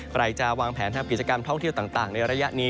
ใครจะวางแผนทำกิจกรรมท่องเที่ยวต่างในระยะนี้